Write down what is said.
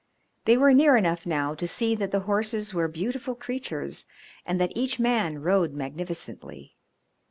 They were near enough now to see that the horses were beautiful creatures and that each man rode magnificently.